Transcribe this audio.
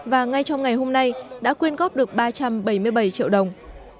và ngay trong ngày hôm nay đã quyên góp được ba trăm bảy mươi bảy triệu đồng